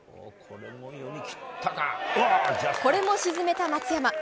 これも沈めた松山。